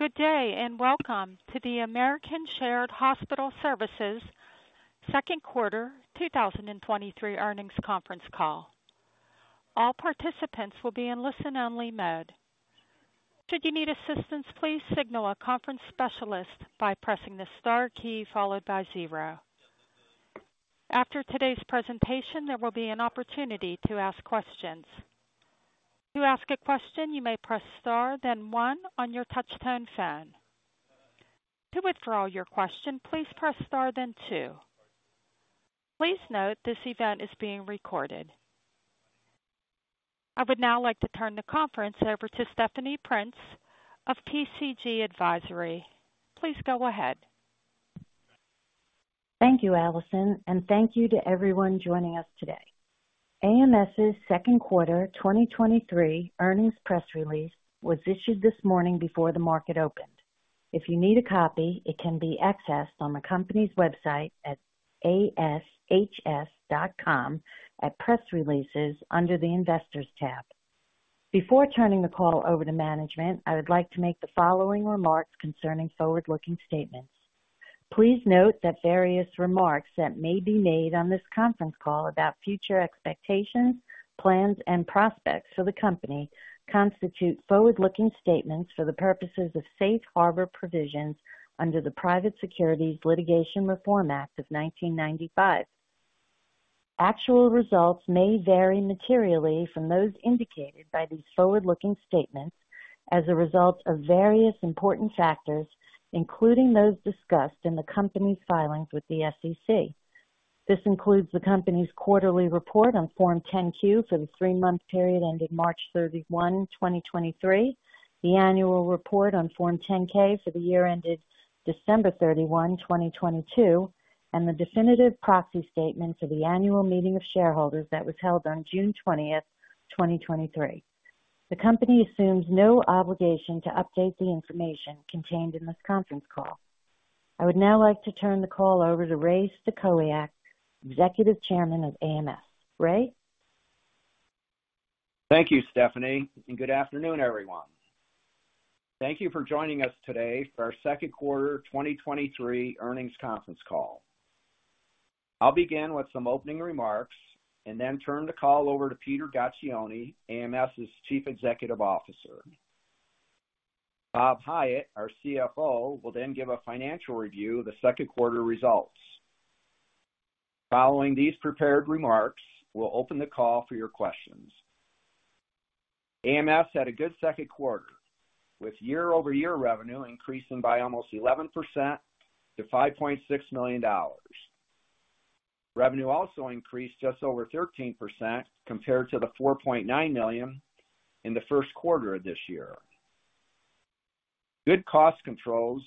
Good day. Welcome to the American Shared Hospital Services second quarter 2023 earnings conference call. All participants will be in listen-only mode. Should you need assistance, please signal a conference specialist by pressing the star key followed by 0. After today's presentation, there will be an opportunity to ask questions. To ask a question, you may press star, then one on your touchtone phone. To withdraw your question, please press star, then two. Please note, this event is being recorded. I would now like to turn the conference over to Stephanie Prince of PCG Advisory. Please go ahead. Thank you, Allison, and thank you to everyone joining us today. AMS's second quarter 2023 earnings press release was issued this morning before the market opened. If you need a copy, it can be accessed on the company's website at ashs.com at Press Releases under the Investors tab. Before turning the call over to management, I would like to make the following remarks concerning forward-looking statements. Please note that various remarks that may be made on this conference call about future expectations, plans, and prospects for the company constitute forward-looking statements for the purposes of safe harbor provisions under the Private Securities Litigation Reform Act of 1995. Actual results may vary materially from those indicated by these forward-looking statements as a result of various important factors, including those discussed in the company's filings with the SEC. This includes the company's quarterly report on Form 10-Q for the three-month period ending March 31st, 2023, the annual report on Form 10-K for the year ended December 31st, 2022, and the definitive proxy statement for the annual meeting of shareholders that was held on June 20th, 2023. The company assumes no obligation to update the information contained in this conference call. I would now like to turn the call over to Ray Stachowiak, Executive Chairman of AMS. Ray? Thank you, Stephanie. Good afternoon, everyone. Thank you for joining us today for our second quarter 2023 earnings conference call. I'll begin with some opening remarks and then turn the call over to Peter Gaccione, AMS's Chief Executive Officer. Bob Hiatt, our CFO, will give a financial review of the second quarter results. Following these prepared remarks, we'll open the call for your questions. AMS had a good second quarter, with year-over-year revenue increasing by almost 11% to $5.6 million. Revenue also increased just over 13% compared to the $4.9 million in the first quarter of this year. Good cost controls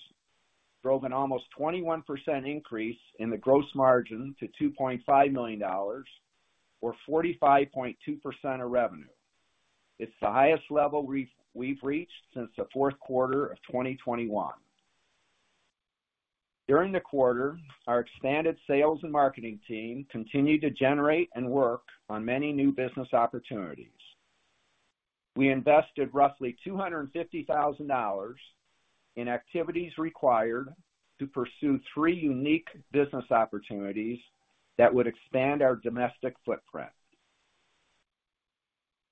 drove an almost 21% increase in the gross margin to $2.5 million or 45.2% of revenue. It's the highest level we've reached since the fourth quarter of 2021. During the quarter, our expanded sales and marketing team continued to generate and work on many new business opportunities. We invested roughly $250,000 in activities required to pursue three unique business opportunities that would expand our domestic footprint.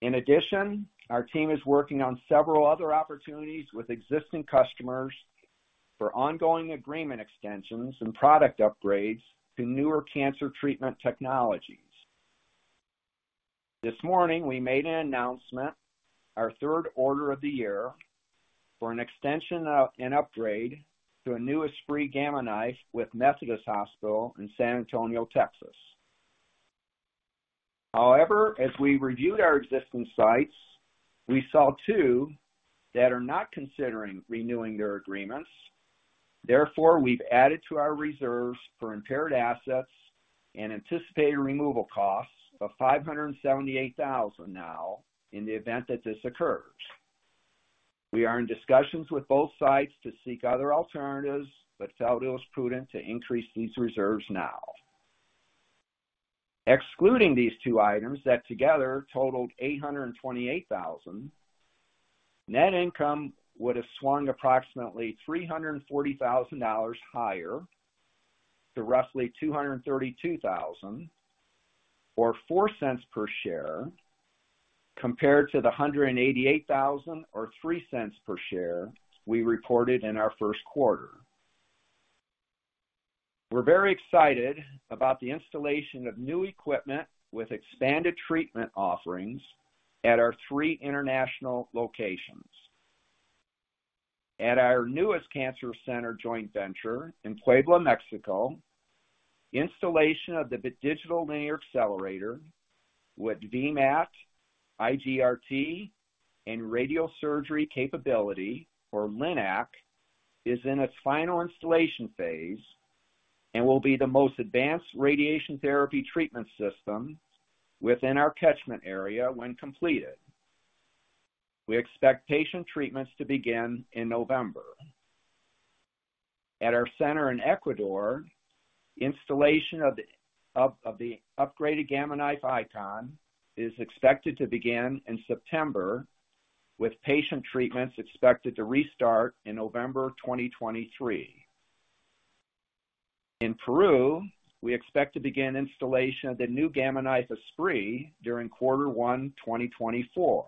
In addition, our team is working on several other opportunities with existing customers for ongoing agreement extensions and product upgrades to newer cancer treatment technologies. This morning, we made an announcement, our third order of the year, for an extension of an upgrade to a newest free Gamma Knife with Methodist Hospital in San Antonio, Texas. As we reviewed our existing sites, we saw two that are not considering renewing their agreements. We've added to our reserves for impaired assets and anticipated removal costs of $578,000 now in the event that this occurs. We are in discussions with both sites to seek other alternatives, but felt it was prudent to increase these reserves now. Excluding these 2 items that together totaled $828,000, net income would have swung approximately $340,000 higher to roughly $232,000 or $0.04 per share, compared to the $188,000 or $0.03 per share we reported in our first quarter. We're very excited about the installation of new equipment with expanded treatment offerings at our three international locations. At our newest cancer center joint venture in Puebla, Mexico, installation of the Digital linear accelerator with VMAT, IGRT, and radiosurgery capability, or LINAC, is in its final installation phase and will be the most advanced radiation therapy treatment system within our catchment area when completed. We expect patient treatments to begin in November. At our center in Ecuador, installation of the upgraded Gamma Knife Icon is expected to begin in September, with patient treatments expected to restart in November 2023. In Peru, we expect to begin installation of the new Gamma Knife Esprit during Q1 2024.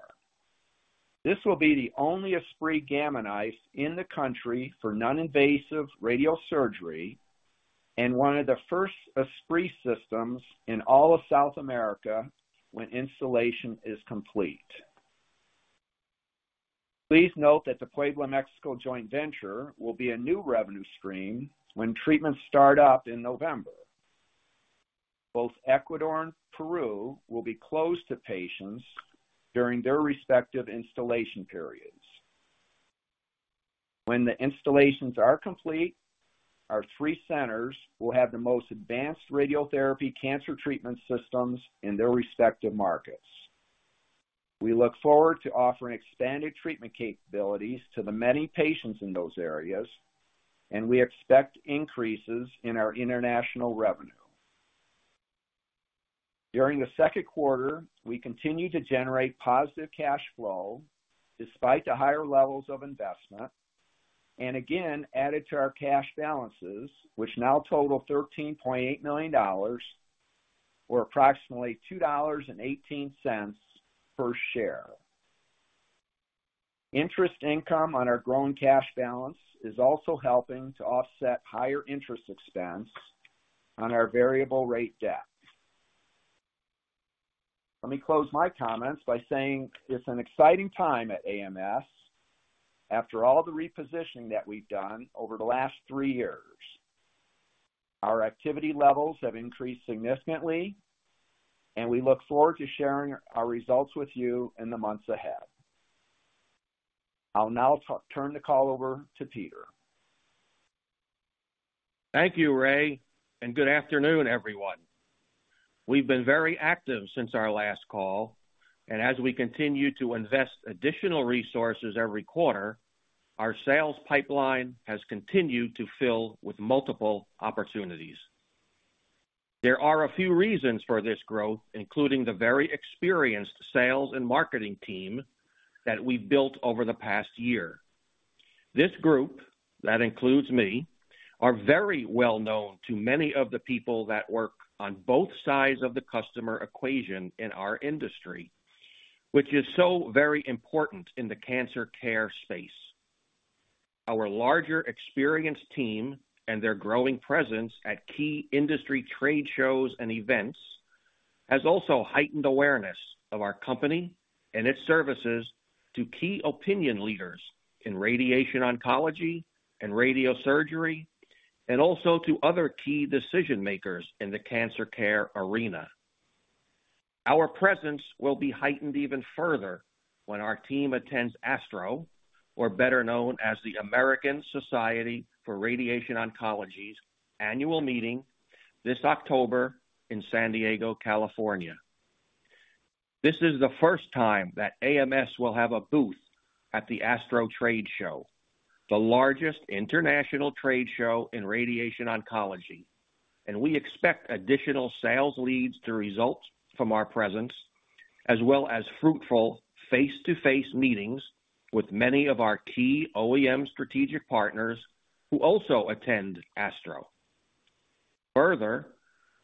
This will be the only Esprit Gamma Knife in the country for non-invasive radiosurgery and one of the first Esprit systems in all of South America when installation is complete. Please note that the Puebla, Mexico joint venture will be a new revenue stream when treatments start up in November. Both Ecuador and Peru will be closed to patients during their respective installation periods. When the installations are complete, our three centers will have the most advanced radiotherapy cancer treatment systems in their respective markets. We look forward to offering expanded treatment capabilities to the many patients in those areas, and we expect increases in our international revenue. During the second quarter, we continued to generate positive cash flow despite the higher levels of investment, and again added to our cash balances, which now total $13.8 million or approximately $2.18 per share. Interest income on our growing cash balance is also helping to offset higher interest expense on our variable rate debt. Let me close my comments by saying it's an exciting time at AMS after all the repositioning that we've done over the last three years. Our activity levels have increased significantly, and we look forward to sharing our results with you in the months ahead. I'll now turn the call over to Peter. Thank you, Ray, and good afternoon, everyone. We've been very active since our last call, and as we continue to invest additional resources every quarter, our sales pipeline has continued to fill with multiple opportunities. There are a few reasons for this growth, including the very experienced sales and marketing team that we've built over the past year. This group, that includes me, are very well known to many of the people that work on both sides of the customer equation in our industry, which is so very important in the cancer care space. Our larger, experienced team and their growing presence at key industry trade shows and events has also heightened awareness of our company and its services to key opinion leaders in radiation oncology and radiosurgery, and also to other key decision-makers in the cancer care arena. Our presence will be heightened even further when our team attends ASTRO, or better known as the American Society for Radiation Oncology's annual meeting this October in San Diego, California. This is the first time that AMS will have a booth at the ASTRO Annual Meeting, the largest international trade show in radiation oncology, and we expect additional sales leads to result from our presence, as well as fruitful face-to-face meetings with many of our key OEM strategic partners who also attend ASTRO. Further,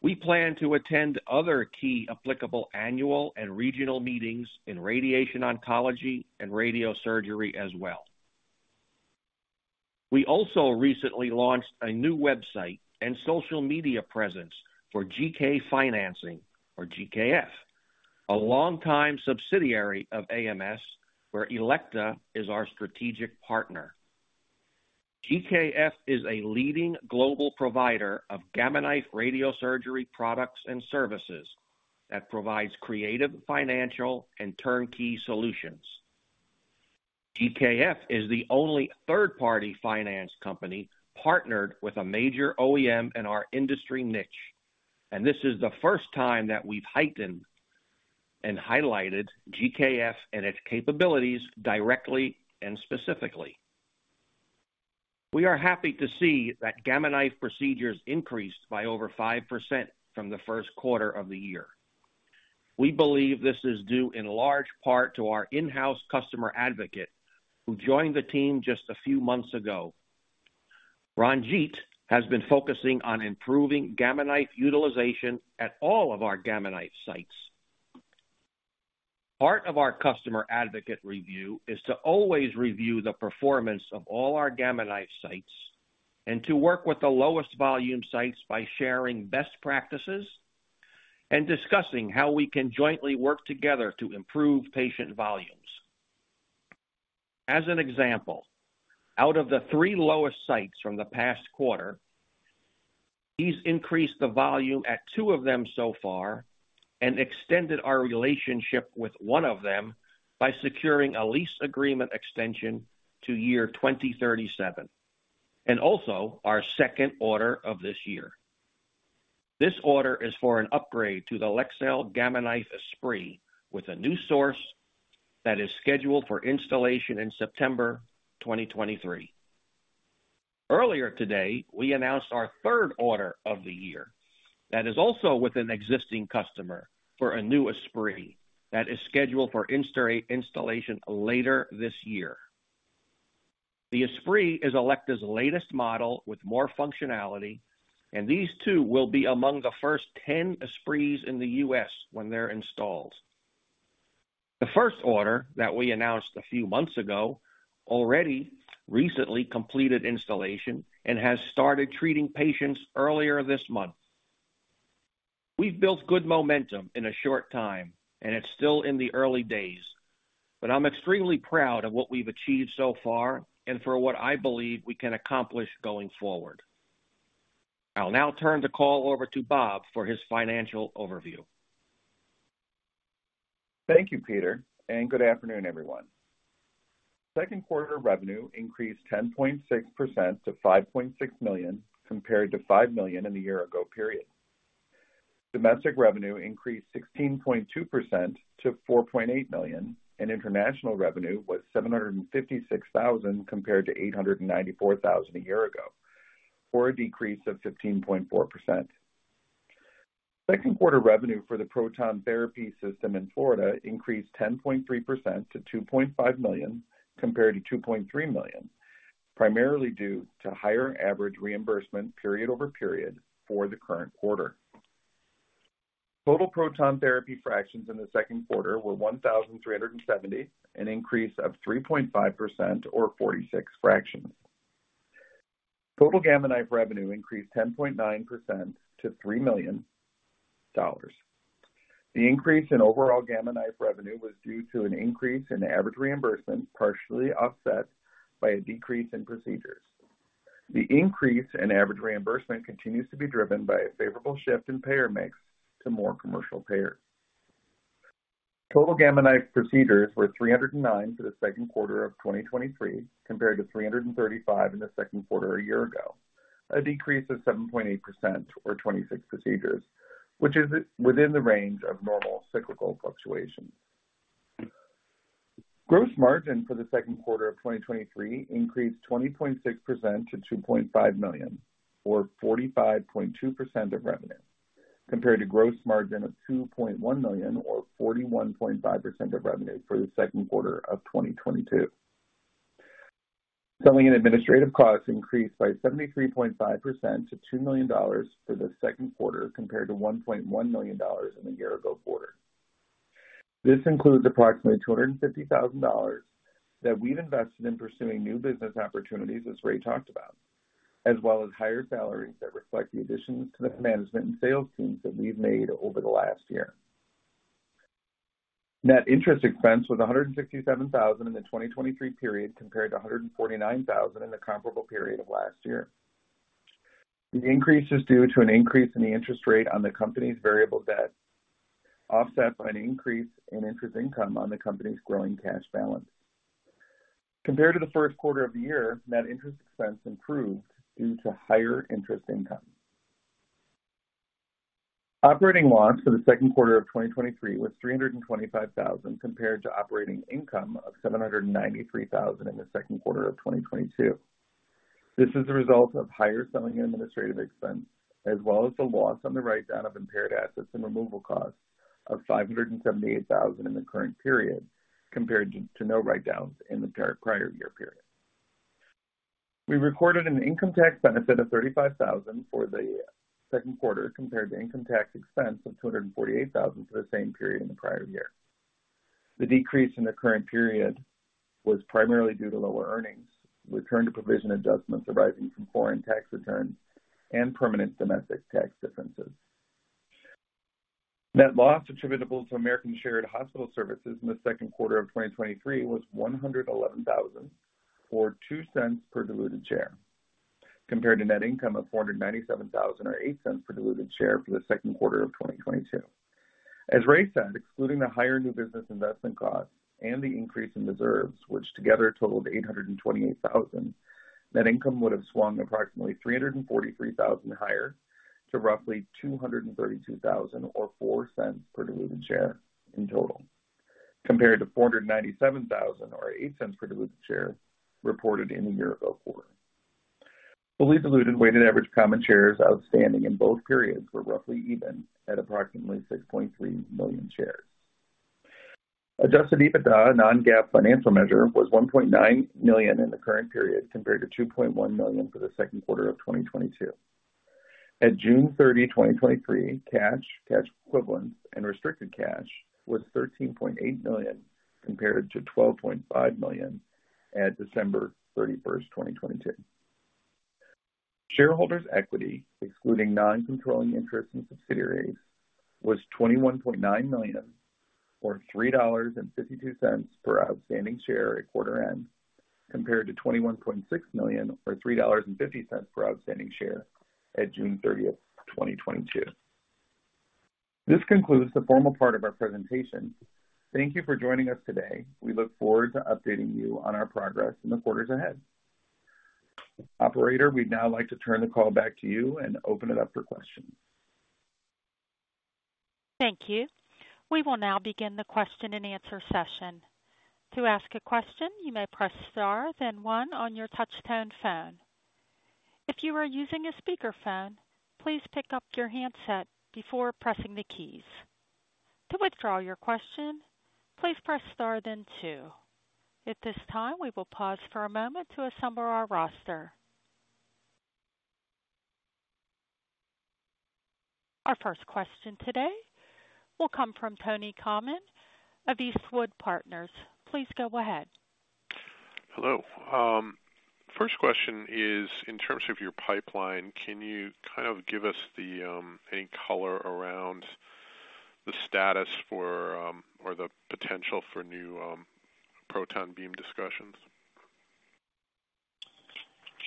we plan to attend other key applicable annual and regional meetings in radiation oncology and radiosurgery as well. We also recently launched a new website and social media presence for GK Financing or GKF, a longtime subsidiary of AMS, where Elekta is our strategic partner. GKF is a leading global provider of Gamma Knife Radiosurgery products and services that provides creative, financial, and turnkey solutions. GKF is the only third-party finance company partnered with a major OEM in our industry niche. This is the first time that we've heightened and highlighted GKF and its capabilities directly and specifically. We are happy to see that Gamma Knife procedures increased by over 5% from the first quarter of the year. We believe this is due in large part to our in-house customer advocate, who joined the team just a few months ago. Ranjeet has been focusing on improving Gamma Knife utilization at all of our Gamma Knife sites. Part of our customer advocate review is to always review the performance of all our Gamma Knife sites and to work with the lowest volume sites by sharing best practices and discussing how we can jointly work together to improve patient volumes. As an example, out of the three lowest sites from the past quarter, he's increased the volume at two of them so far and extended our relationship with one of them by securing a lease agreement extension to year 2037. Also our second order of this year. This order is for an upgrade to the Elekta Gamma Knife Esprit, with a new source that is scheduled for installation in September 2023. Earlier today, we announced our third order of the year that is also with an existing customer for a new Esprit that is scheduled for installation later this year. The Esprit is Elekta's latest model with more functionality. These two will be among the first 10 Esprits in the U.S. when they're installed. The first order that we announced a few months ago already recently completed installation and has started treating patients earlier this month. We've built good momentum in a short time, and it's still in the early days, but I'm extremely proud of what we've achieved so far and for what I believe we can accomplish going forward. I'll now turn the call over to Bob for his financial overview. Thank you, Peter, good afternoon, everyone. Second quarter revenue increased 10.6% to $5.6 million, compared to $5 million in the year-ago period. Domestic revenue increased 16.2% to $4.8 million, and international revenue was $756,000, compared to $894,000 a year ago, for a decrease of 15.4%. Second quarter revenue for the proton therapy system in Florida increased 10.3% to $2.5 million, compared to $2.3 million, primarily due to higher average reimbursement period-over-period for the current quarter. Total proton therapy fractions in the second quarter were 1,370, an increase of 3.5% or 46 fractions. Total Gamma Knife revenue increased 10.9% to $3 million. The increase in overall Gamma Knife revenue was due to an increase in average reimbursement, partially offset by a decrease in procedures. The increase in average reimbursement continues to be driven by a favorable shift in payer mix to more commercial payers. Total Gamma Knife procedures were 309 for the second quarter of 2023, compared to 335 in the second quarter a year ago, a decrease of 7.8% or 26 procedures, which is within the range of normal cyclical fluctuations. Gross margin for the second quarter of 2023 increased 20.6% to $2.5 million, or 45.2% of revenue, compared to gross margin of $2.1 million or 41.5% of revenue for the second quarter of 2022. Selling and administrative costs increased by 73.5% to $2 million for the second quarter, compared to $1.1 million in the year ago quarter. This includes approximately $250,000 that we've invested in pursuing new business opportunities, as Ray talked about, as well as higher salaries that reflect the additions to the management and sales teams that we've made over the last year. Net interest expense was $167,000 in the 2023 period, compared to $149,000 in the comparable period of last year. The increase is due to an increase in the interest rate on the company's variable debt, offset by an increase in interest income on the company's growing cash balance. Compared to the first quarter of the year, net interest expense improved due to higher interest income. Operating loss for the second quarter of 2023 was $325,000, compared to operating income of $793,000 in the second quarter of 2022. This is a result of higher selling and administrative expense, as well as the loss on the write down of impaired assets and removal costs of $578,000 in the current period, compared to no write downs in the prior year period. We recorded an income tax benefit of $35,000 for the second quarter, compared to income tax expense of $248,000 for the same period in the prior year. The decrease in the current period was primarily due to lower earnings, return to provision adjustments arising from foreign tax returns and permanent domestic tax differences. Net loss attributable to American Shared Hospital Services in the second quarter of 2023 was $111,000, or $0.02 per diluted share, compared to net income of $497,000 or $0.08 per diluted share for the second quarter of 2022. As Ray said, excluding the higher new business investment costs and the increase in reserves, which together totaled $828,000, net income would have swung approximately $343,000 higher to roughly $232,000, or $0.04 per diluted share in total, compared to $497,000 or $0.08 per diluted share reported in the year ago quarter. Fully diluted weighted average common shares outstanding in both periods were roughly even at approximately 6.3 million shares. Adjusted EBITDA, non-GAAP financial measure, was $1.9 million in the current period, compared to $2.1 million for the second quarter of 2022. At June 30th, 2023, cash, cash equivalents and restricted cash was $13.8 million, compared to $12.5 million at December 31st, 2022. Shareholders' equity, excluding non-controlling interest in subsidiaries, was $21.9 million or $3.52 per outstanding share at quarter end, compared to $21.6 million or $3.50 per outstanding share at June 30th, 2022.This concludes the formal part of our presentation. Thank you for joining us today. We look forward to updating you on our progress in the quarters ahead. Operator, we'd now like to turn the call back to you and open it up for questions. Thank you. We will now begin the question-and-answer session. To ask a question, you may press star, then one on your touchtone phone. If you are using a speakerphone, please pick up your handset before pressing the keys. To withdraw your question, please press star, then two. At this time, we will pause for a moment to assemble our roster. Our first question today will come from Tony Kamin of Eastwood Partners. Please go ahead. Hello. First question is, in terms of your pipeline, can you kind of give us the any color around the status for or the potential for new proton beam discussions?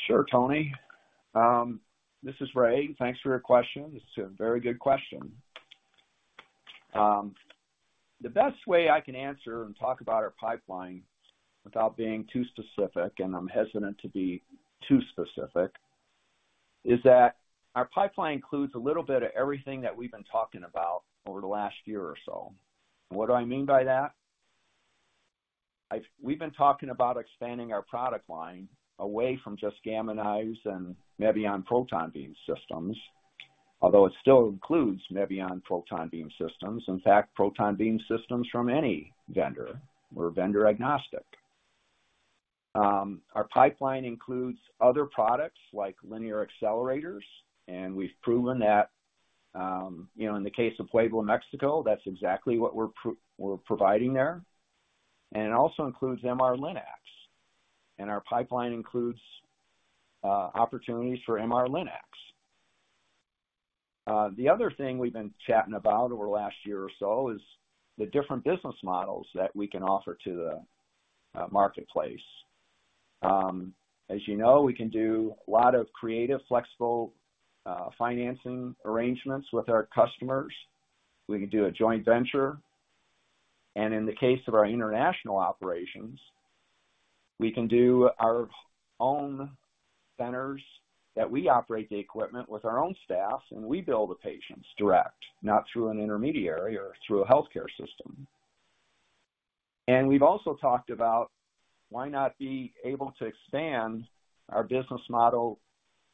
Sure, Tony. This is Ray. Thanks for your question. It's a very good question. The best way I can answer and talk about our pipeline without being too specific, and I'm hesitant to be too specific, is that our pipeline includes a little bit of everything that we've been talking about over the last year or so. What do I mean by that? We've been talking about expanding our product line away from just Gamma Knife and Mevion proton beam systems, although it still includes Mevion proton beam systems. In fact, proton beam systems from any vendor. We're vendor-agnostic. Our pipeline includes other products like linear accelerators, and we've proven that, you know, in the case of Puebla, Mexico, that's exactly what we're providing there. It also includes MR Linacs, and our pipeline includes opportunities for MR Linacs. The other thing we've been chatting about over the last year or so is the different business models that we can offer to the marketplace. As you know, we can do a lot of creative, flexible financing arrangements with our customers. We can do a joint venture. In the case of our international operations, we can do our own centers, that we operate the equipment with our own staff, and we bill the patients direct, not through an intermediary or through a healthcare system. We've also talked about why not be able to expand our business model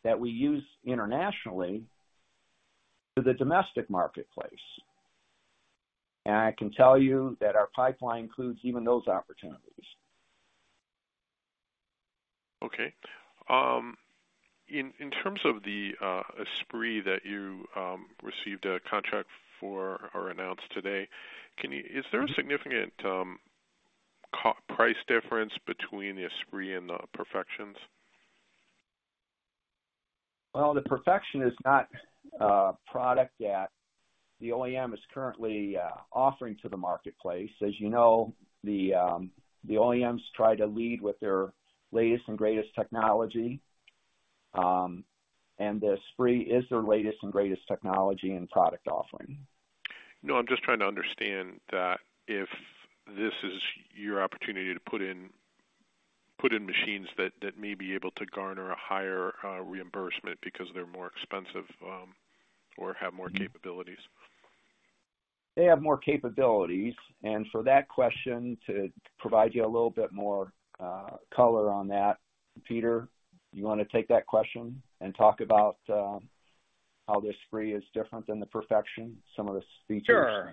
that we use internationally to the domestic marketplace. I can tell you that our pipeline includes even those opportunities. Okay. In, in terms of the Esprit that you received a contract for or announced today, is there a significant price difference between the Esprit and the Perfexion? Well, the Perfexion is not a product that the OEM is currently offering to the marketplace. As you know, the OEMs try to lead with their latest and greatest technology, and the Esprit is their latest and greatest technology and product offering. No, I'm just trying to understand that if this is your opportunity to put in, put in machines that, that may be able to garner a higher reimbursement because they're more expensive, or have more capabilities. They have more capabilities. For that question, to provide you a little bit more, color on that, Peter, you want to take that question and talk about, how the Esprit is different than the Perfexion, some of the features? Sure.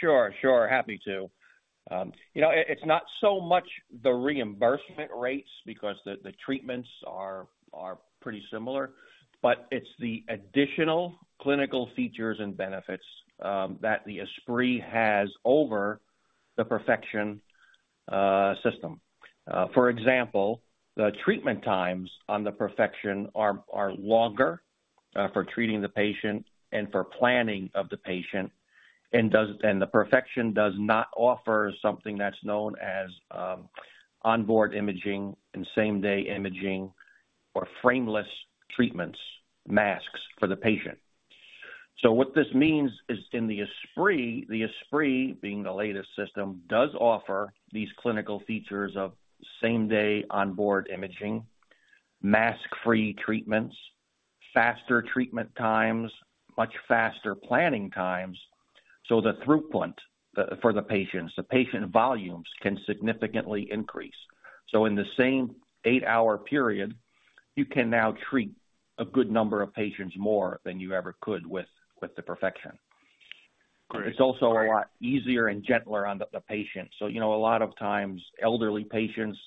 Sure, sure. Happy to. You know, it, it's not so much the reimbursement rates because the, the treatments are, are pretty similar, but it's the additional clinical features and benefits that the Gamma Knife Esprit has over the Gamma Knife Perfexion system. For example, the treatment times on the Gamma Knife Perfexion are, are longer for treating the patient and for planning of the patient, and the Gamma Knife Perfexion does not offer something that's known as onboard imaging and same-day imaging or frameless treatments, masks for the patient. So what this means is in the Gamma Knife Esprit, the Gamma Knife Esprit, being the latest system, does offer these clinical features of same-day onboard imaging, mask-free treatments, faster treatment times, much faster planning times, so the throughput for the patients, the patient volumes can significantly increase. In the same 8-hour period, you can now treat a good number of patients more than you ever could with the Perfexion. Great. It's also a lot easier and gentler on the patient. You know, a lot of times, elderly patients,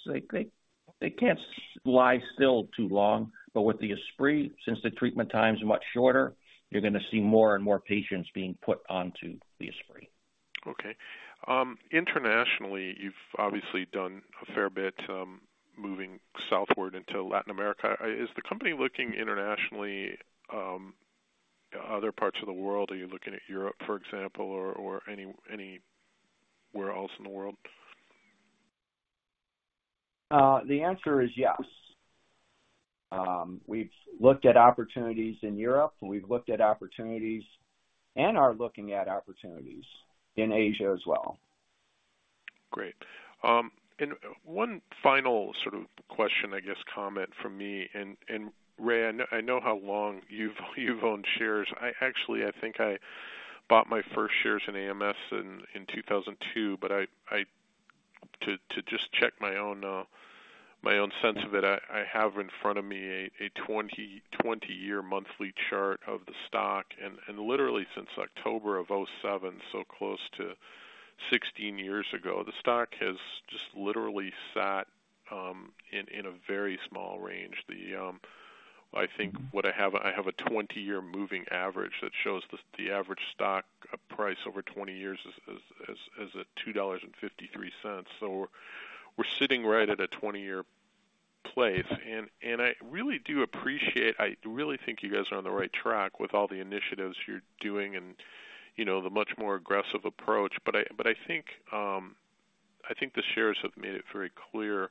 they can't lie still too long. With the Esprit, since the treatment time is much shorter, you're going to see more and more patients being put onto the Esprit. Okay. internationally, you've obviously done a fair bit, moving southward into Latin America. Is the company looking internationally, other parts of the world? Are you looking at Europe, for example, or, or anywhere else in the world? The answer is yes. We've looked at opportunities in Europe, and we've looked at opportunities, and are looking at opportunities in Asia as well. Great. One final sort of question, I guess, comment from me. Ray, I know, I know how long you've, you've owned shares. I actually, I think I bought my first shares in AMS in 2002, but to just check my own sense of it, I have in front of me a 20-year monthly chart of the stock. Literally since October of 2007, so close to 16 years ago, the stock has just literally sat in a very small range. I think what I have, I have a 20-year moving average that shows the average stock price over 20 years is at $2.53. We're sitting right at a 20-year place. I really do appreciate. I really think you guys are on the right track with all the initiatives you're doing and, you know, the much more aggressive approach. I think I think the shares have made it very clear, and,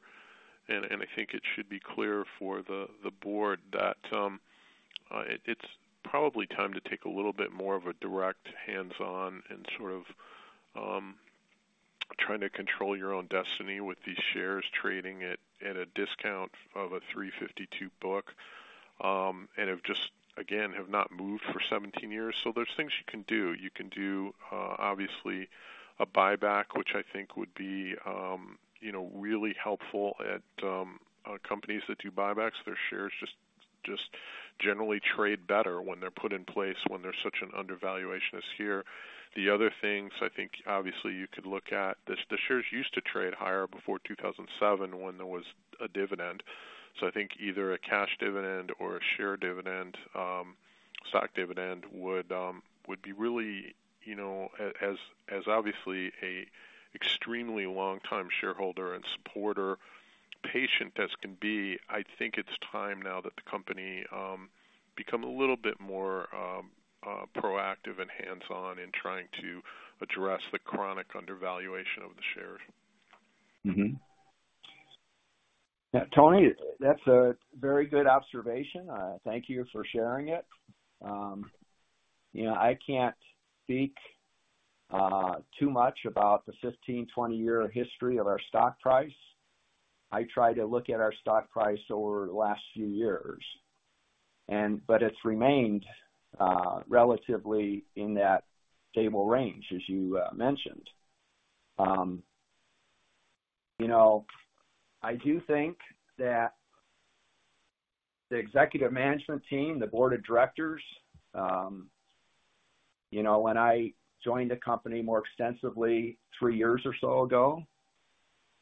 and I think it should be clear for the, the board, that it, it's probably time to take a little bit more of a direct hands-on and sort of trying to control your own destiny with these shares trading at, at a discount of a 3.52 book, and have just, again, have not moved for 17 years. There's things you can do. You can do obviously, a buyback, which I think would be, you know, really helpful at companies that do buybacks. Their shares just, just generally trade better when they're put in place, when there's such an undervaluation as here. The other things, I think, obviously, you could look at, the, the shares used to trade higher before 2007 when there was a dividend. I think either a cash dividend or a share dividend, stock dividend would be really, you know, as, as obviously, a extremely long-time shareholder and supporter, patient as can be, I think it's time now that the company become a little bit more proactive and hands-on in trying to address the chronic undervaluation of the shares. Yeah, Tony, that's a very good observation. Thank you for sharing it. You know, I can't speak too much about the 15, 20-year history of our stock price. I try to look at our stock price over the last few years, and. It's remained relatively in that stable range, as you mentioned. You know, I do think that the executive management team, the board of directors, you know, when I joined the company more extensively 3 years or so ago,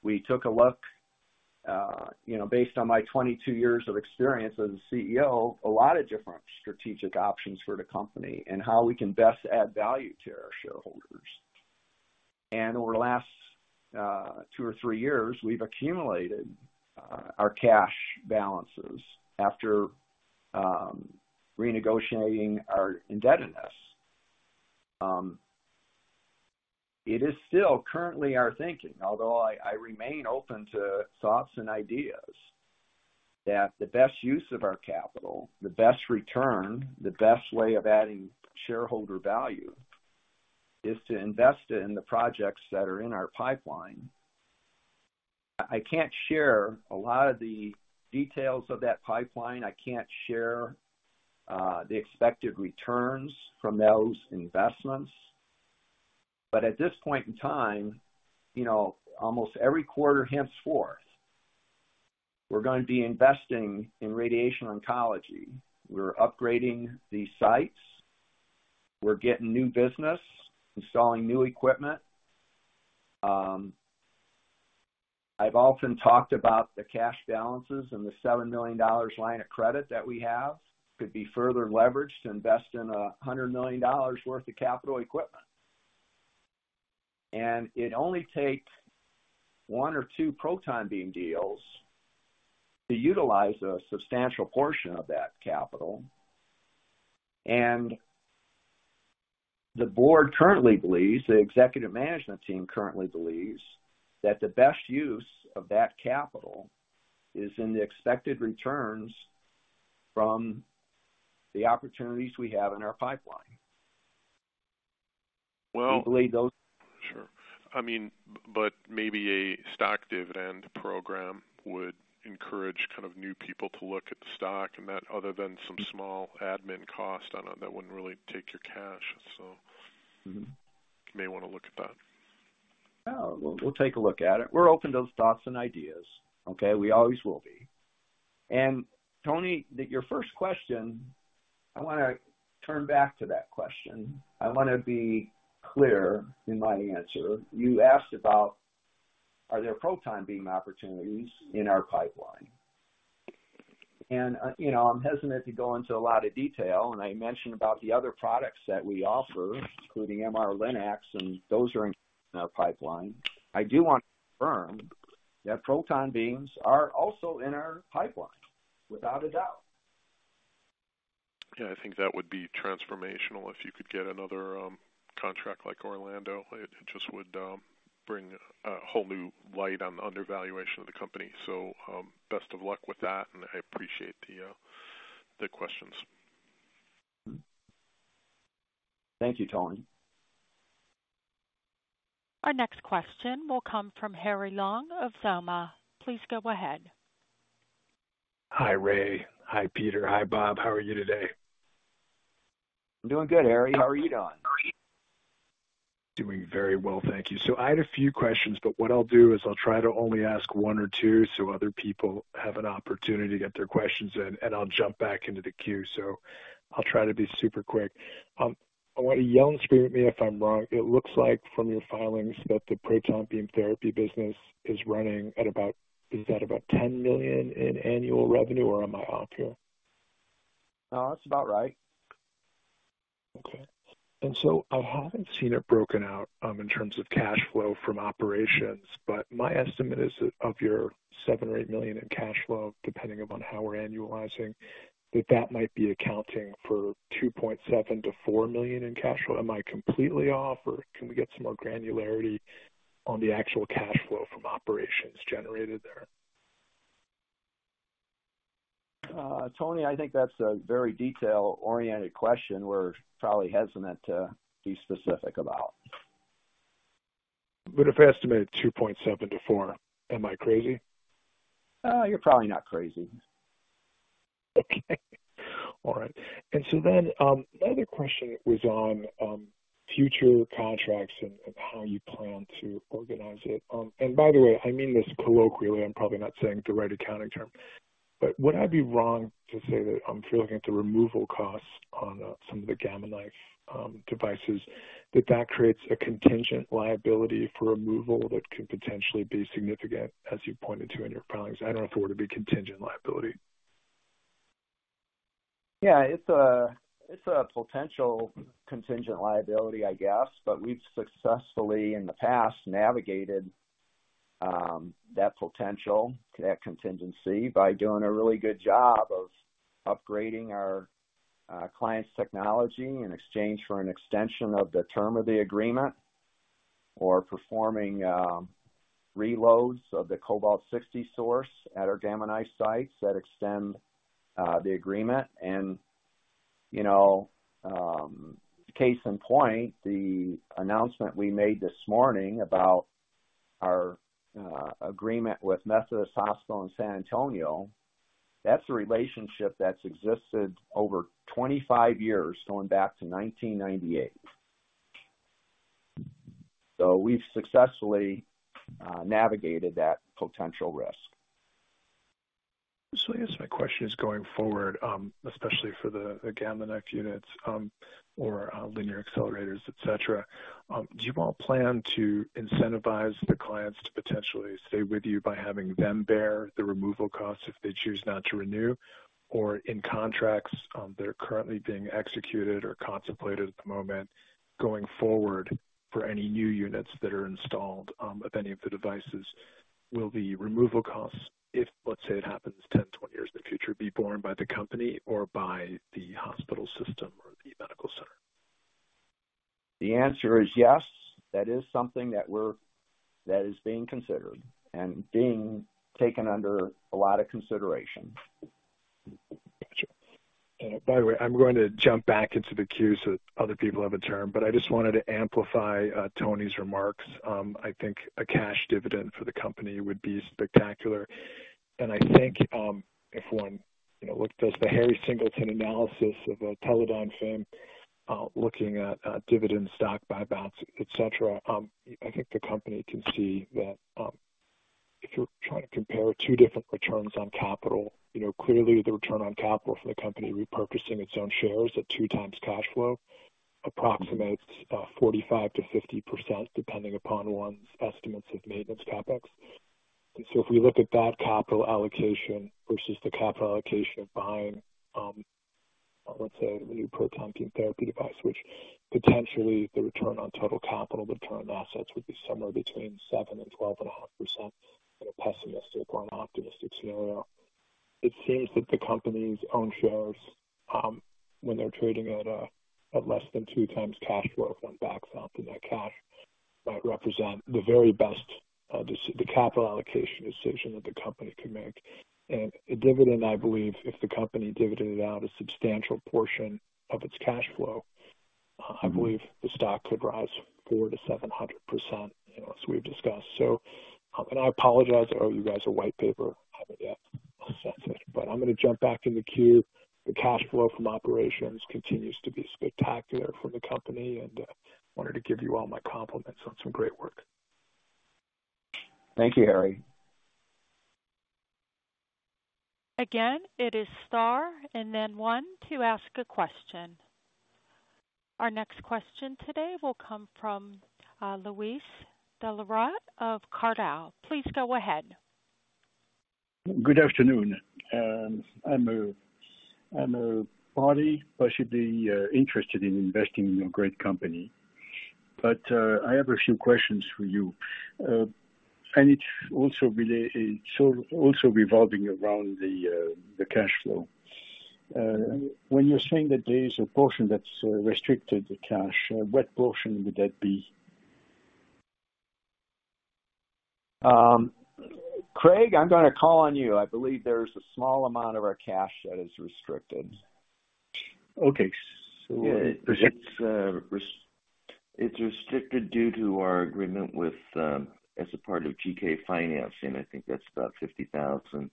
we took a look, you know, based on my 22 years of experience as a CEO, a lot of different strategic options for the company and how we can best add value to our shareholders. Over the last 2 or 3 years, we've accumulated our cash balances after renegotiating our indebtedness. It is still currently our thinking, although I, I remain open to thoughts and ideas, that the best use of our capital, the best return, the best way of adding shareholder value, is to invest it in the projects that are in our pipeline. I can't share a lot of the details of that pipeline. I can't share the expected returns from those investments, but at this point in time, you know, almost every quarter henceforth, we're going to be investing in radiation oncology. We're upgrading the sites. We're getting new business, installing new equipment. I've often talked about the cash balances and the $7 million line of credit that we have, could be further leveraged to invest in $100 million worth of capital equipment. It only takes one or two proton beam deals to utilize a substantial portion of that capital. The board currently believes, the executive management team currently believes, that the best use of that capital is in the expected returns from the opportunities we have in our pipeline. Well- We believe. Sure. I mean, maybe a stock dividend program would encourage kind of new people to look at the stock and that other than some small admin cost on it, that wouldn't really take your cash. Mm-hmm. You may want to look at that. Well, we'll, we'll take a look at it. We're open to those thoughts and ideas, okay? We always will be. Tony, your first question, I want to turn back to that question. I want to be clear in my answer. You asked about, are there proton beam opportunities in our pipeline? You know, I'm hesitant to go into a lot of detail, and I mentioned about the other products that we offer, including MR Linacs, and those are in our pipeline. I do want to confirm that proton beams are also in our pipeline, without a doubt. Yeah, I think that would be transformational if you could get another, contract like Orlando. It just would, bring a whole new light on the undervaluation of the company. Best of luck with that, and I appreciate the questions. Thank you, Tony. Our next question will come from Harry Long of Zelm Ventures. Please go ahead. Hi, Ray. Hi, Peter. Hi, Bob. How are you today? I'm doing good, Harry. How are you doing? Doing very well, thank you. I had a few questions, but what I'll do is I'll try to only ask one or two, so other people have an opportunity to get their questions in, and I'll jump back into the queue. I'll try to be super quick. I want you to yell and scream at me if I'm wrong. It looks like from your filings, that the proton beam therapy business is running at about, is that about $10 million in annual revenue, or am I off here? No, that's about right. Okay. I haven't seen it broken out, in terms of cash flow from operations, but my estimate is that of your $7 million or $8 million in cash flow, depending upon how we're annualizing, that that might be accounting for $2.7 million- $4 million in cash flow. Am I completely off, or can we get some more granularity on the actual cash flow from operations generated there? Tony, I think that's a very detail-oriented question we're probably hesitant to be specific about. If I estimated $2.7- $4, am I crazy? You're probably not crazy. Okay. All right. My other question was on future contracts and how you plan to organize it. By the way, I mean this colloquially, I'm probably not saying the right accounting term, but would I be wrong to say that I'm looking at the removal costs on some of the Gamma Knife devices that creates a contingent liability for removal that could potentially be significant, as you pointed to in your filings? I don't know if it were to be contingent liability. Yeah, it's a, it's a potential contingent liability, I guess, but we've successfully, in the past, navigated that potential, that contingency, by doing a really good job of upgrading our client's technology in exchange for an extension of the term of the agreement or performing reloads of the Cobalt-60 source at our Gamma Knife sites that extend the agreement. You know, case in point, the announcement we made this morning about our agreement with Methodist Hospital in San Antonio, that's a relationship that's existed over 25 years, going back to 1998. We've successfully navigated that potential risk. I guess my question is going forward, especially for the Gamma Knife units, or, linear accelerators, et cetera, do you all plan to incentivize the clients to potentially stay with you by having them bear the removal costs if they choose not to renew? Or in contracts, that are currently being executed or contemplated at the moment, going forward for any new units that are installed, of any of the devices, will the removal costs, if, let's say, it happens 10, 20 years in the future, be borne by the company or by the hospital system or the medical center? The answer is yes. That is something that we're. That is being considered and being taken under a lot of consideration. By the way, I'm going to jump back into the queue so other people have a turn, but I just wanted to amplify, Tony's remarks. I think a cash dividend for the company would be spectacular. I think, if one, you know, looks at the Henry Singleton analysis of Teledyne same, looking at dividend stock buybacks, et cetera, I think the company can see that, if you're trying to compare two different returns on capital, you know, clearly the return on capital for the company repurchasing its own shares at two times cash flow approximates, 45-50%, depending upon one's estimates of maintenance CapEx. If we look at that capital allocation versus the capital allocation of buying, let's say, a new proton beam therapy device, which potentially the return on total capital, return on assets, would be somewhere between 7% and 12.5% in a pessimistic or an optimistic scenario. It seems that the company's own shares, when they're trading at less than 2x cash flow from back out to that cash, might represent the very best capital allocation decision that the company can make. A dividend, I believe, if the company divvied out a substantial portion of its cash flow, I believe the stock could rise 400%-700%, you know, as we've discussed. I apologize, I owe you guys a white paper. I haven't yet assessed it, but I'm going to jump back in the queue. The cash flow from operations continues to be spectacular for the company, and wanted to give you all my compliments on some great work. Thank you, Harry. Again, it is star and then one to ask a question. Our next question today will come from Luis de la Rota of [Cwen]. Please go ahead. Good afternoon. I'm a party, possibly, interested in investing in your great company. I have a few questions for you. It's also revolving around the cash flow. When you're saying that there is a portion that's restricted, the cash, what portion would that be? Craig, I'm gonna call on you. I believe there's a small amount of our cash that is restricted. Okay. Yeah, it's, it's restricted due to our agreement with, as a part of GK Financing, I think that's about $50,000.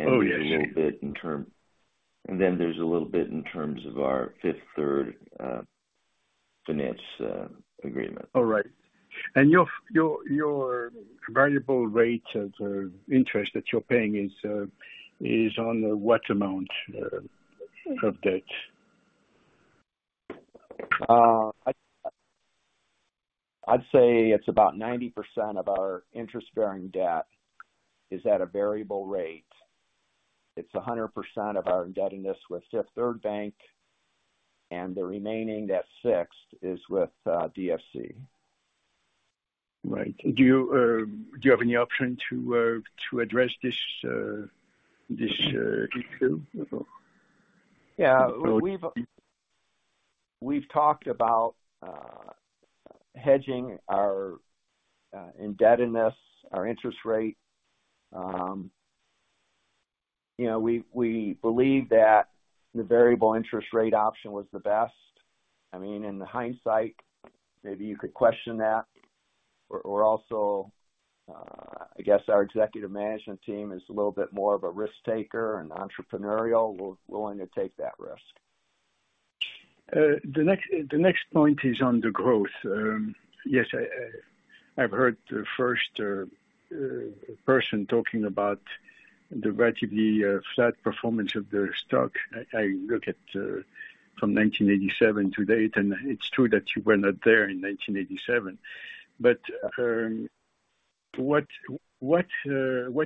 Oh, yeah. Then there's a little bit in terms of our Fifth Third finance agreement. All right. Your, your variable rate of interest that you're paying is on what amount of debt? I'd, I'd say it's about 90% of our interest-bearing debt is at a variable rate. It's 100% of our indebtedness with Fifth Third Bank, and the remaining, that's $6, is with DFC. Right. Do you, do you have any option to, to address this, this, issue at all? Yeah. So- We've, we've talked about hedging our indebtedness, our interest rate. You know, we, we believe that the variable interest rate option was the best. I mean, in the hindsight, maybe you could question that, or, or also, I guess our executive management team is a little bit more of a risk-taker and entrepreneurial, we're willing to take that risk. The next, the next point is on the growth. Yes, I've heard the first person talking about the relatively flat performance of the stock. I, I look at from 1987 to date, and it's true that you were not there in 1987. What, what, what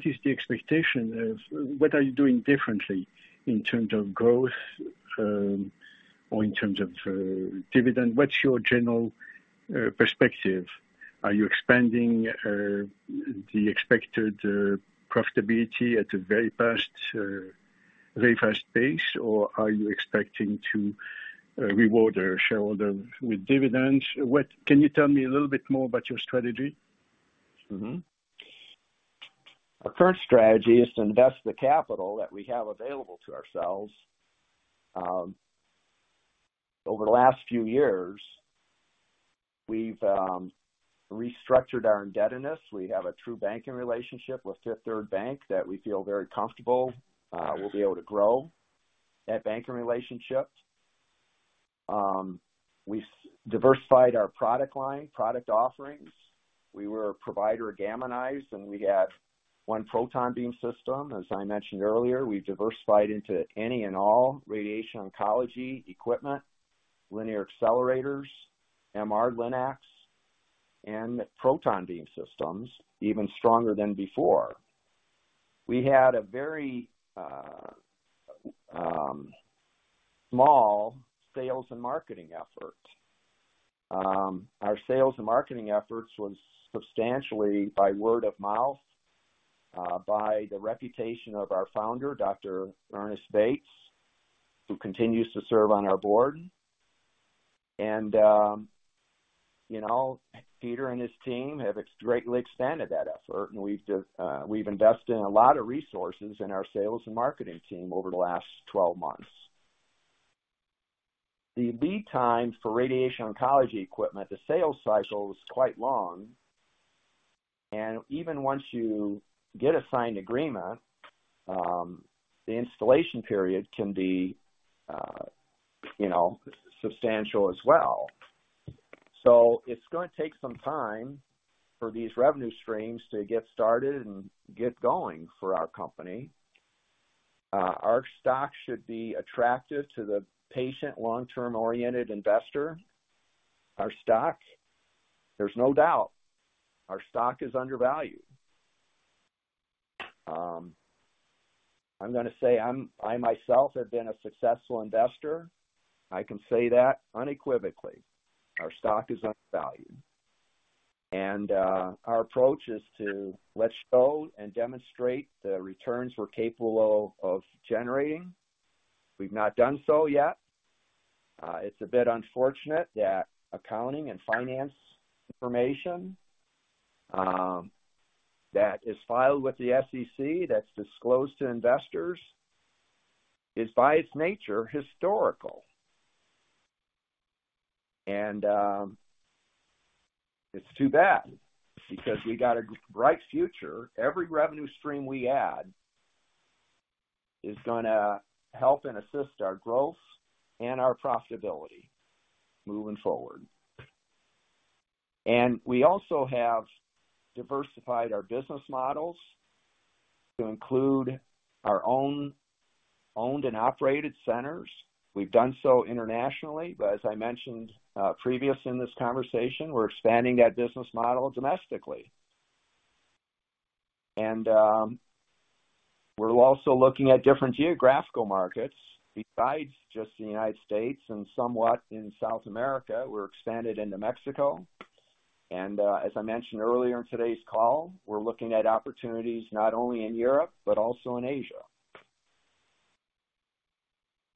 is the expectation of. What are you doing differently in terms of growth, or in terms of dividend? What's your general perspective? Are you expanding the expected profitability at a very fast, very fast pace, or are you expecting to reward our shareholder with dividends? Can you tell me a little bit more about your strategy? Our current strategy is to invest the capital that we have available to ourselves. Over the last few years, we've restructured our indebtedness. We have a true banking relationship with Fifth Third Bank that we feel very comfortable. We'll be able to grow that banking relationship. We've diversified our product line, product offerings. We were a provider of Gamma Knives, and we had one proton beam system. As I mentioned earlier, we've diversified into any and all radiation oncology equipment, linear accelerators, MR Linacs, and proton beam systems, even stronger than before. We had a very small sales and marketing effort. Our sales and marketing efforts was substantially by word of mouth, by the reputation of our founder, Ernest A. Bates, who continues to serve on our board. You know, Peter and his team have greatly expanded that effort, and we've just, we've invested in a lot of resources in our sales and marketing team over the last 12 months. The lead time for radiation oncology equipment, the sales cycle is quite long, and even once you get a signed agreement, the installation period can be, you know, substantial as well. It's gonna take some time for these revenue streams to get started and get going for our company. Our stock should be attractive to the patient, long-term-oriented investor. Our stock, there's no doubt, our stock is undervalued. I'm gonna say I'm, I myself have been a successful investor. I can say that unequivocally, our stock is undervalued. Our approach is to let's go and demonstrate the returns we're capable of, of generating. We've not done so yet. It's a bit unfortunate that accounting and finance information that is filed with the SEC, that's disclosed to investors, is by its nature, historical. It's too bad because we got a bright future. Every revenue stream we add is gonna help and assist our growth and our profitability moving forward. We also have diversified our business models to include our own owned and operated centers. We've done so internationally, but as I mentioned previous in this conversation, we're expanding that business model domestically. We're also looking at different geographical markets besides just the United States and somewhat in South America. We're expanded into Mexico, and as I mentioned earlier in today's call, we're looking at opportunities not only in Europe but also in Asia.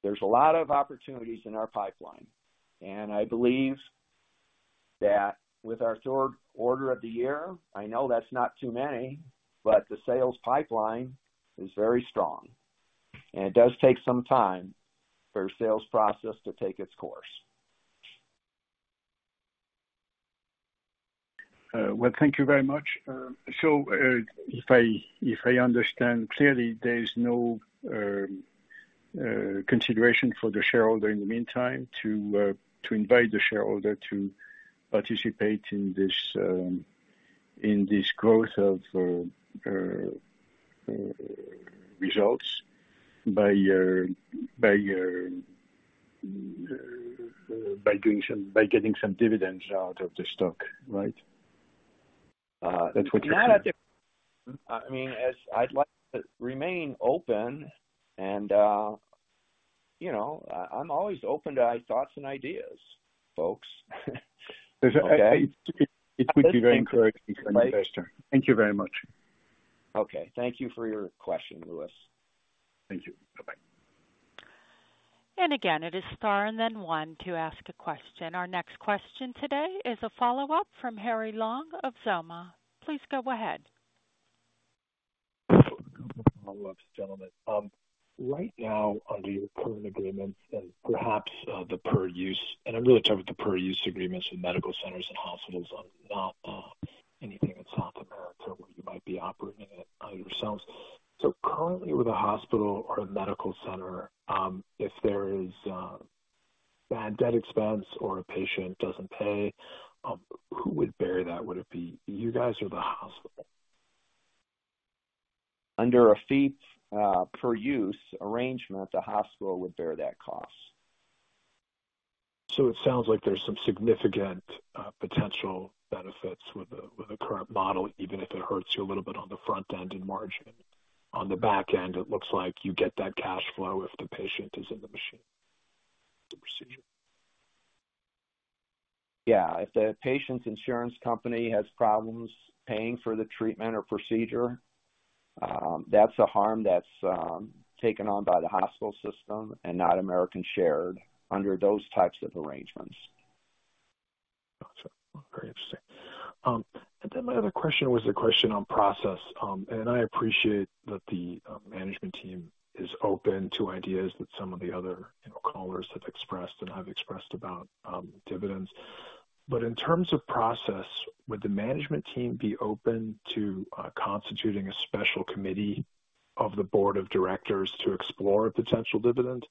There's a lot of opportunities in our pipeline. I believe that with our third order of the year, I know that's not too many. The sales pipeline is very strong. It does take some time for a sales process to take its course. Well, thank you very much. If I, if I understand clearly, there is no, consideration for the shareholder in the meantime to invite the shareholder to participate in this growth of results by by by getting some dividends out of the stock, right? That's what you. I mean, as I'd like to remain open and, you know, I'm always open to ideas, thoughts, and ideas, folks. It would be very encouraging for an investor. Thank you very much. Okay. Thank you for your question, Louis. Thank you. Bye-bye. Again, it is star and then one to ask a question. Our next question today is a follow-up from Harry Long of Zelma. Please go ahead. Follow-ups, gentlemen. Right now, under your current agreements and perhaps, the per use, and I'm really talking about the per use agreements with medical centers and hospitals, on not, anything in South America where you might be operating it yourselves. Currently, with a hospital or a medical center, if there is, bad debt expense or a patient doesn't pay, who would bear that? Would it be you guys or the hospital? Under a fee, per use arrangement, the hospital would bear that cost. It sounds like there's some significant potential benefits with the, with the current model, even if it hurts you a little bit on the front end in margin. On the back end, it looks like you get that cash flow if the patient is in the machine, the procedure. Yeah. If the patient's insurance company has problems paying for the treatment or procedure, that's a harm that's, taken on by the hospital system and not American Shared under those types of arrangements. Got you. Very interesting. Then my other question was a question on process. I appreciate that the management team is open to ideas that some of the other, you know, callers have expressed and have expressed about dividends. In terms of process, would the management team be open to constituting a special committee of the board of directors to explore a potential dividend?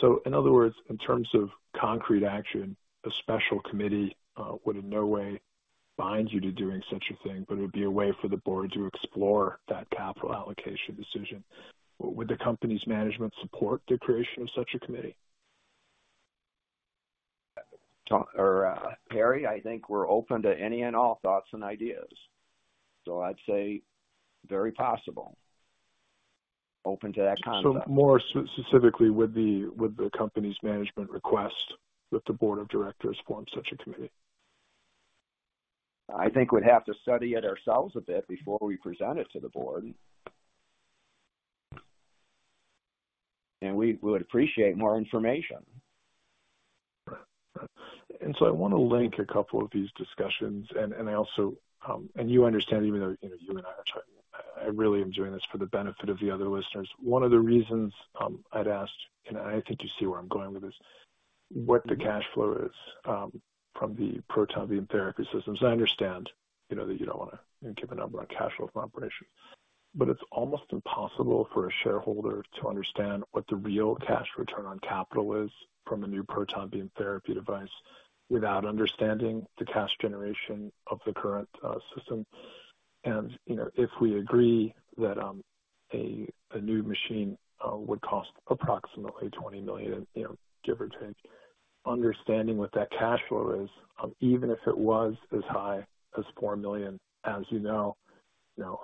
So, in other words, in terms of concrete action, a special committee would in no way bind you to doing such a thing, but it would be a way for the board to explore that capital allocation decision. Would the company's management support the creation of such a committee? Harry, I think we're open to any and all thoughts and ideas, so I'd say very possible. Open to that concept. More specifically, would the company's management request that the board of directors form such a committee? I think we'd have to study it ourselves a bit before we present it to the board. We would appreciate more information. I want to link a couple of these discussions. I also, you understand, even though, you know, you and I are talking, I really am doing this for the benefit of the other listeners. One of the reasons I'd asked, and I think you see where I'm going with this, what the cash flow is from the proton beam therapy systems. I understand, you know, that you don't want to give a number on cash flow from operation, but it's almost impossible for a shareholder to understand what the real cash return on capital is from a new proton beam therapy device, without understanding the cash generation of the current system. You know, if we agree that a new machine would cost approximately $20 million, you know, give or take, understanding what that cash flow is, even if it was as high as $4 million, as you know, you know,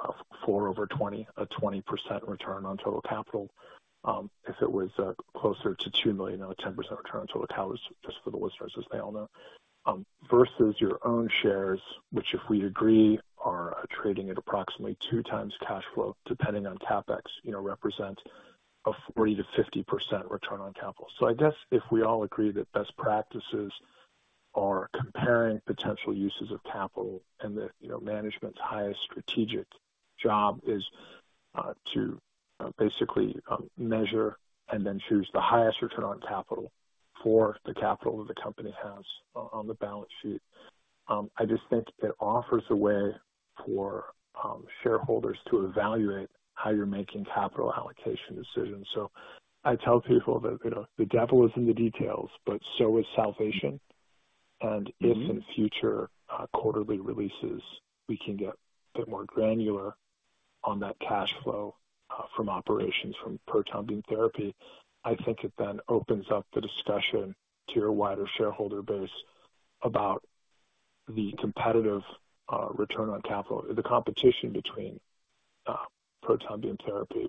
4 over 20, a 20% return on total capital, if it was closer to $2 million, a 10% return on total capital, just for the listeners, as they all know, versus your own shares, which, if we agree, are trading at approximately 2 times cash flow, depending on CapEx, you know, represent a 40%-50% return on capital. I guess if we all agree that best practices are comparing potential uses of capital and that, you know, management's highest strategic job is to basically measure and then choose the highest return on capital for the capital that the company has on the balance sheet, I just think it offers a way for shareholders to evaluate how you're making capital allocation decisions. I tell people that, you know, the devil is in the details, but so is salvation. If in future quarterly releases, we can get a bit more granular on that cash flow from operations from proton beam therapy, I think it then opens up the discussion to your wider shareholder base about the competitive return on capital, the competition between Proton Beam Therapy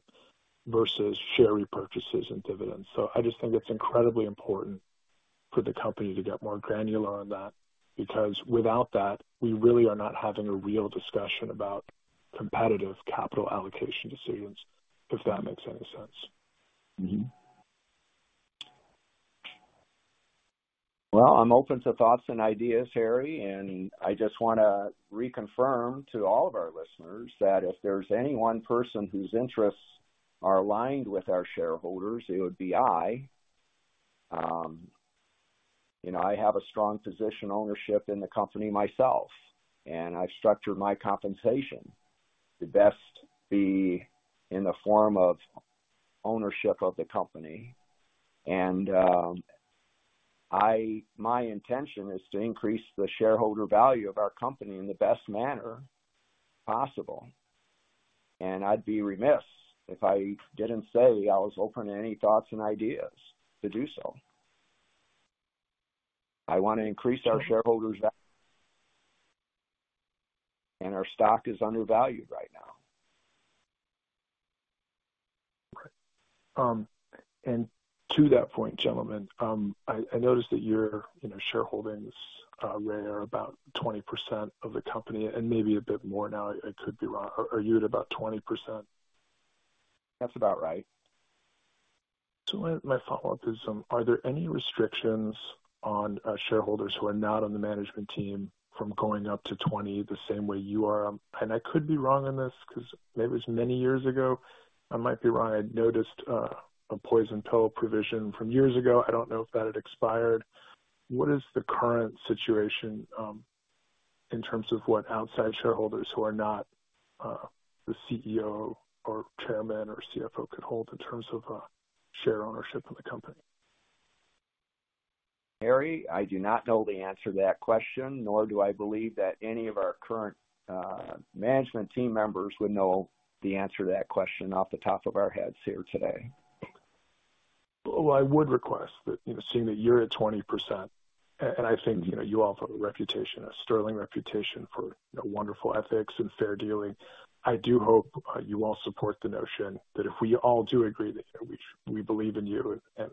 versus share repurchases and dividends. I just think it's incredibly important for the company to get more granular on that, because without that, we really are not having a real discussion about competitive capital allocation decisions, if that makes any sense. Mm-hmm. Well, I'm open to thoughts and ideas, Harry, and I just want to reconfirm to all of our listeners that if there's any one person whose interests are aligned with our shareholders, it would be I. You know, I have a strong position ownership in the company myself, and I've structured my compensation to best be in the form of ownership of the company. My intention is to increase the shareholder value of our company in the best manner possible. I'd be remiss if I didn't say I was open to any thoughts and ideas to do so. I want to increase our shareholders value, and our stock is undervalued right now. Okay. To that point, gentlemen, I, I noticed that your, you know, shareholdings were about 20% of the company and maybe a bit more now. I could be wrong. Are, are you at about 20%? That's about right. My, my follow-up is, are there any restrictions on shareholders who are not on the management team from going up to 20, the same way you are? I could be wrong on this because it was many years ago. I might be wrong. I noticed a poison pill provision from years ago. I don't know if that had expired. What is the current situation in terms of what outside shareholders who are not the CEO or chairman or CFO could hold in terms of share ownership in the company? Harry, I do not know the answer to that question, nor do I believe that any of our current management team members would know the answer to that question off the top of our heads here today. Well, I would request that, you know, seeing that you're at 20%, and I think, you know, you all have a reputation, a sterling reputation for wonderful ethics and fair dealing. I do hope you all support the notion that if we all do agree that we, we believe in you and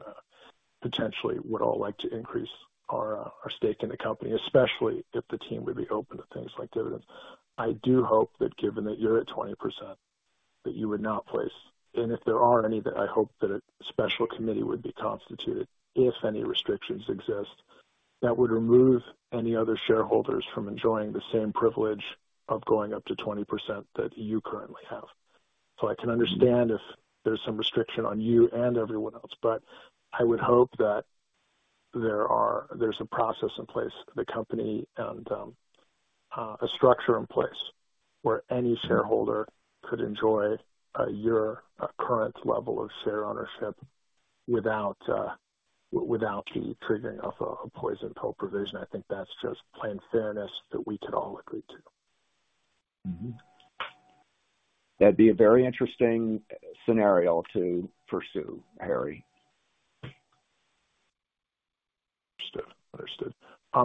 potentially would all like to increase our stake in the company, especially if the team would be open to things like dividends. I do hope that given that you're at 20%, that you would not place and if there are any, that I hope that a special committee would be constituted, if any restrictions exist, that would remove any other shareholders from enjoying the same privilege of going up to 20% that you currently have. I can understand if there's some restriction on you and everyone else, but I would hope that there's a process in place for the company and a structure in place where any shareholder could enjoy your current level of share ownership without without you triggering off a poison pill provision. I think that's just plain fairness that we could all agree to. Mm-hmm. That'd be a very interesting scenario to pursue, Harry. Understood. Understood.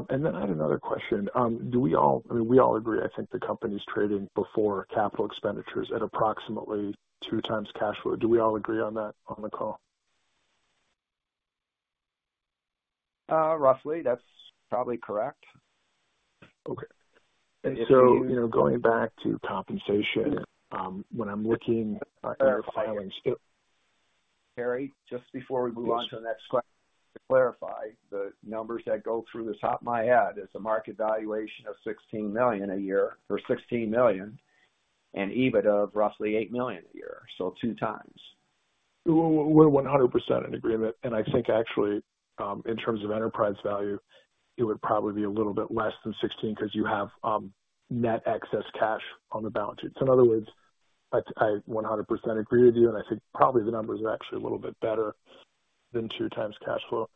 Then I had another question. I mean, we all agree, I think the company's trading before capital expenditures at approximately 2 times cash flow. Do we all agree on that on the call? Roughly. That's probably correct. Okay. so, you know, going back to compensation, when I'm looking at your filings- Harry, just before we move on to the next question, to clarify, the numbers that go through the top of my head is a market valuation of $16 million a year or $16 million, and EBIT of roughly $8 million a year. Two times. We're 100% in agreement. I think actually, in terms of enterprise value, it would probably be a little bit less than $16 because you have net excess cash on the balance sheet. In other words, I, I 100% agree with you, and I think probably the numbers are actually a little bit better than 2 times cash flow.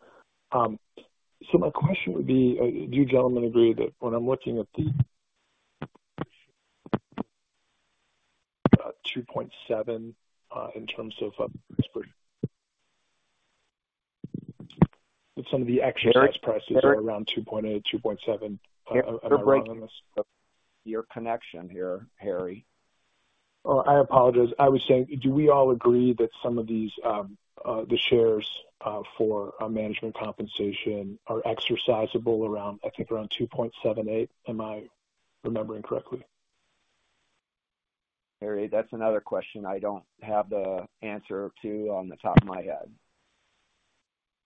My question would be, do you gentlemen agree that when I'm looking at the $2.7, in terms of Some of the exercise prices are around $2.8, $2.7? You're breaking your connection here, Harry. Oh, I apologize. I was saying, do we all agree that some of these, the shares, for management compensation are exercisable around, I think, around $2.78? Am I remembering correctly? Harry, that's another question I don't have the answer to on the top of my head.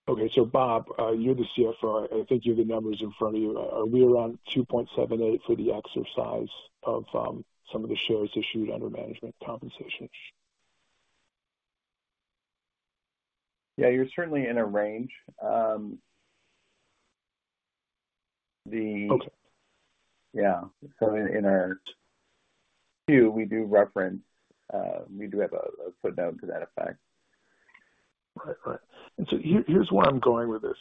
Okay, Bob, you're the CFO. I think you have the numbers in front of you. Are we around $2.78 for the exercise of some of the shares issued under management compensation? Yeah, you're certainly in a range. Okay. Yeah. In our two, we do reference, we do have a, a footnote to that effect. Right. Right. Here, here's where I'm going with this.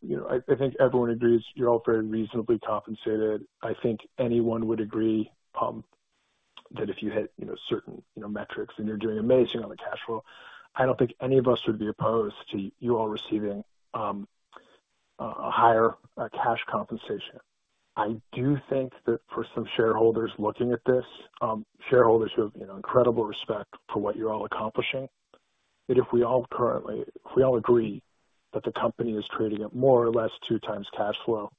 You know, I, I think everyone agrees you're all very reasonably compensated. I think anyone would agree that if you hit, you know, certain, you know, metrics and you're doing amazing on the cash flow, I don't think any of us would be opposed to you all receiving a higher cash compensation. I do think that for some shareholders looking at this, shareholders who have, you know, incredible respect for what you're all accomplishing, that if we all agree that the company is trading at more or less 2 times cash flow,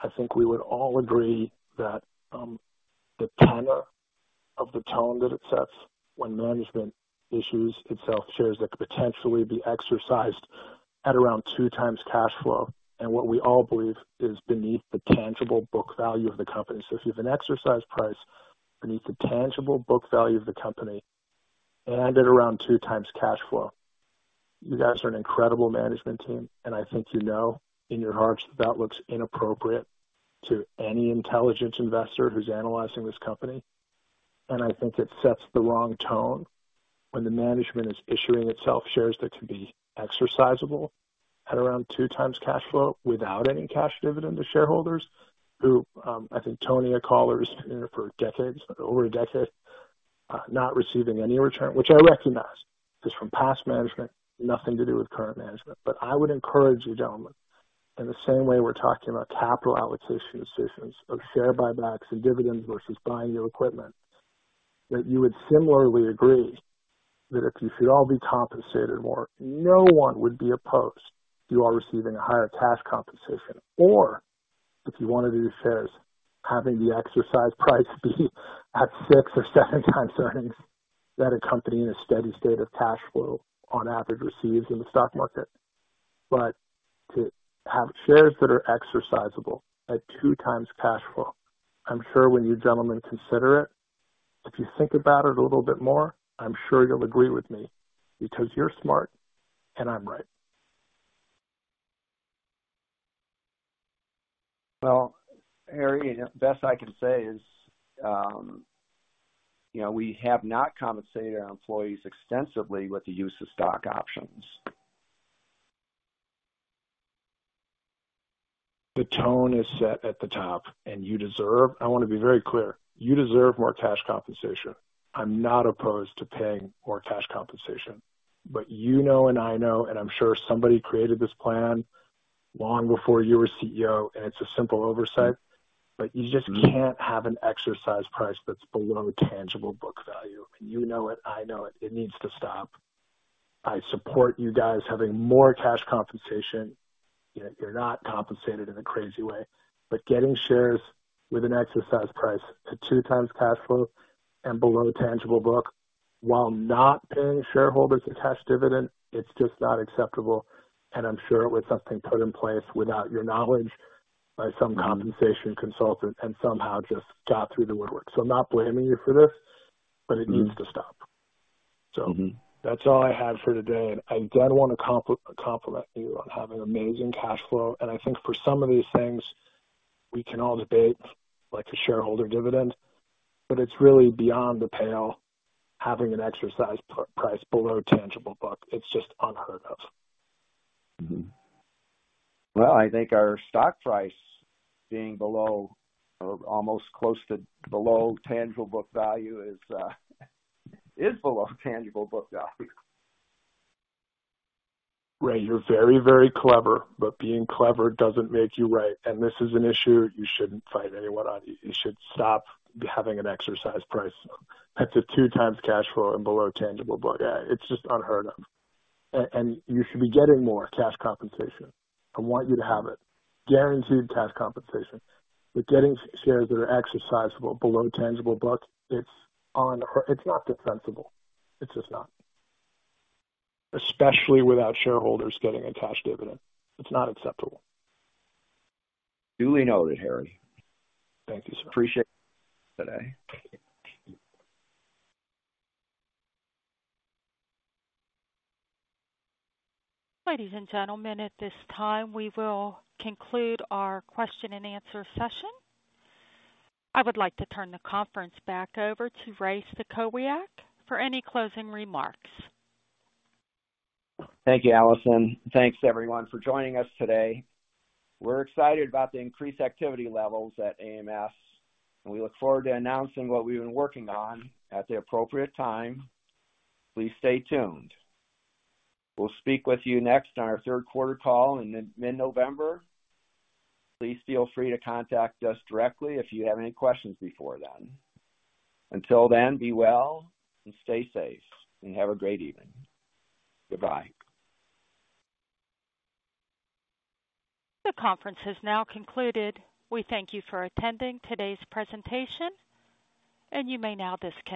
I think we would all agree that the tenor of the tone that it sets when management issues itself shares that could potentially be exercised at around 2 times cash flow, and what we all believe is beneath the tangible book value of the company. If you have an exercise price beneath the tangible book value of the company and at around 2 times cash flow, you guys are an incredible management team, and I think you know in your hearts that looks inappropriate to any intelligent investor who's analyzing this company. I think it sets the wrong tone when the management is issuing itself shares that can be exercisable at around 2 times cash flow without any cash dividend to shareholders who, I think, Tony, our caller, has been there for decades, over a decade, not receiving any return, which I recognize is from past management. Nothing to do with current management. I would encourage you, gentlemen, in the same way we're talking about capital allocation decisions of share buybacks and dividends versus buying new equipment, that you would similarly agree that if you should all be compensated more, no one would be opposed to you all receiving a higher cash compensation. If you want to do shares, having the exercise price be at 6 or 7 times earnings that a company in a steady state of cash flow on average receives in the stock market. To have shares that are exercisable at 2 times cash flow, I'm sure when you gentlemen consider it, if you think about it a little bit more, I'm sure you'll agree with me, because you're smart, and I'm right. Well, Harry, the best I can say is, you know, we have not compensated our employees extensively with the use of stock options. The tone is set at the top, and you deserve I want to be very clear. You deserve more cash compensation. I'm not opposed to paying more cash compensation, but you know, and I know, and I'm sure somebody created this plan long before you were CEO, and it's a simple oversight, but you just can't have an exercise price that's below tangible book value. You know it. I know it. It needs to stop. I support you guys having more cash compensation. You know, you're not compensated in a crazy way, but getting shares with an exercise price to 2 times cash flow and below tangible book, while not paying shareholders a cash dividend, it's just not acceptable. I'm sure it was something put in place without your knowledge by some compensation consultant and somehow just got through the woodwork. I'm not blaming you for this, but it needs to stop. Mm-hmm. That's all I have for today, and I again want to compliment you on having amazing cash flow. I think for some of these things, we can all debate, like the shareholder dividend, but it's really beyond the pale, having an exercise price below tangible book. It's just unheard of. Well, I think our stock price being below or almost close to below tangible book value is, is below tangible book value. Ray, you're very, very clever, but being clever doesn't make you right, and this is an issue you shouldn't fight anyone on. You should stop having an exercise price that's at 2 times cash flow and below tangible book. It's just unheard of, and you should be getting more cash compensation. I want you to have it. Guaranteed cash compensation. Getting shares that are exercisable below tangible book, it's not defensible. It's just not. Especially without shareholders getting a cash dividend. It's not acceptable. Duly noted, Harry. Thank you, sir. Appreciate today. Ladies and gentlemen, at this time, we will conclude our question and answer session. I would like to turn the conference back over to Ray Stachowiak for any closing remarks. Thank you, Allison. Thanks, everyone, for joining us today. We're excited about the increased activity levels at AMS, and we look forward to announcing what we've been working on at the appropriate time. Please stay tuned. We'll speak with you next on our third quarter call in mid-November. Please feel free to contact us directly if you have any questions before then. Until then, be well and stay safe, and have a great evening. Goodbye. The conference has now concluded. We thank you for attending today's presentation. You may now disconnect.